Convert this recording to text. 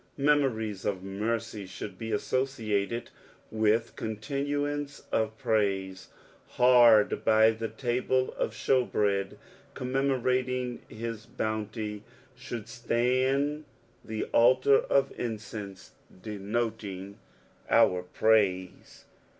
Heroories of mercy should be associated with contiousoce <rf praise. Hard by the tnble of shew bread commemorating his boonty, should atand the altar of incense denoting our praise.